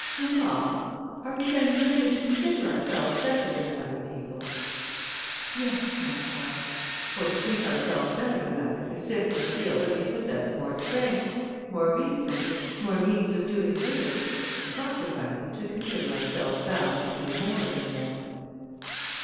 "Mamma, are we then permitted to consider ourselves better than other people?" "Yes, my child; for to think ourselves better than others is simply to feel that we possess more strength, more reason, more means of doing good, and consequently to consider ourselves bound to do more than them."